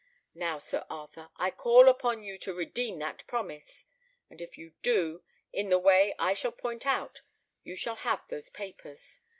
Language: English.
Now, Sir Arthur, I call upon you to redeem that promise; and if you do, in the way I shall point out, you shall have those papers.